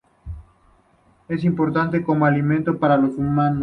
Es importante como alimento para los humanos